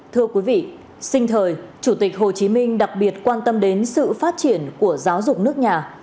thưa quý vị sinh thời chủ tịch hồ chí minh đặc biệt quan tâm đến sự phát triển của giáo dục nước nhà